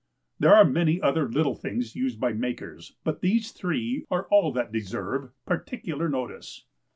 There are many other little things used by makers, but these three are all that deserve particular notice.